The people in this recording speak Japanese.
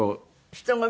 人混み？